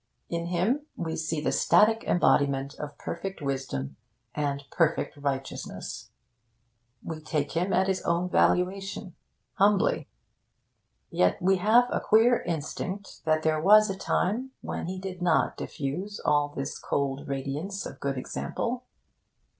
In him we see the static embodiment of perfect wisdom and perfect righteousness. We take him at his own valuation, humbly. Yet we have a queer instinct that there was a time when he did not diffuse all this cold radiance of good example.